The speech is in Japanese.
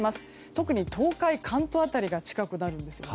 特に、東海、関東辺りが近くなります。